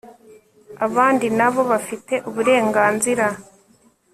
abandi nabo bafite uburenganzira